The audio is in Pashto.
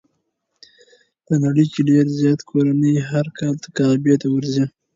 په نړۍ کې ډېر زیارت کوونکي هر کال کعبې ته ورځي.